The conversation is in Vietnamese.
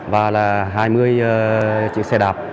và là hai mươi chiếc xe đạp